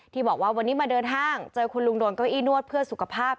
บอกว่าวันนี้มาเดินห้างเจอคุณลุงโดนเก้าอี้นวดเพื่อสุขภาพ